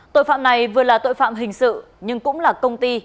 tội phạm này vừa là tội phạm hình sự nhưng cũng là công ty